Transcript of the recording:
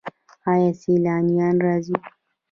آیا سیلانیان راځي؟